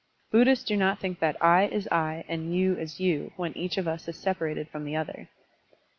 Buddhists do not think that "I" is "I" and "you" is "you" when each of us is separated from the other.